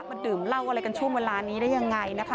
ดื่มเหล้าอะไรกันช่วงเวลานี้ได้ยังไงนะคะ